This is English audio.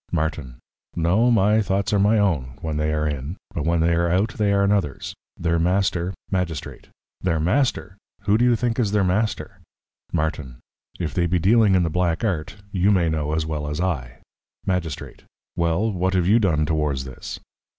Martin. No, my thoughts are my own, when they are in, but when they are out they are anothers. Their Master. Magistrate. Their Master? who do you think is their Master? Martin. If they be dealing in the Black Art, you may know as well as I. Magistrate. Well, what have you done towards this?